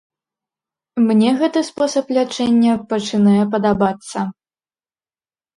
Мне гэты спосаб лячэння пачынае падабацца.